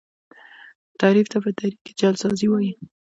تحریف ته په دري کي جعل سازی وايي.